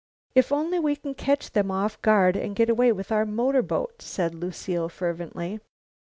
"If only we can catch them off guard and get away with our motorboat!" said Lucile fervently.